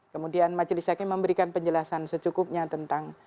kemudian majelis hakim memberikan penjelasan secukupnya tentang